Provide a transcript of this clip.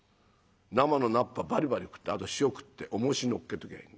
生の菜っぱバリバリ食ってあと塩食っておもし載っけときゃいい」。